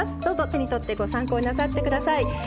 どうぞ手に取ってご参考になさってください。